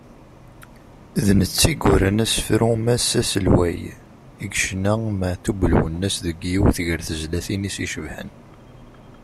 D netta i yuran asefru “Mass aselway” i yecna Meɛtub Lwennas deg yiwet gar tezlatin-is icebḥen.